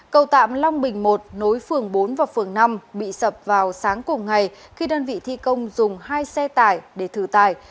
cầu tạm long bình một nối phường bốn và phường năm bị sập vào sáng cùng ngày khi đơn vị thi công dùng hai xe tải để thử tải